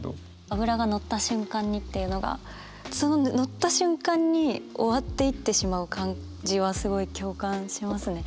「脂が乗った瞬間に」っていうのがその乗った瞬間に終わっていってしまう感じはすごい共感しますね。